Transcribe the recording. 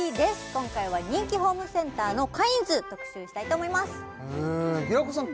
今回は人気ホームセンターのカインズ特集したいと思います平子さん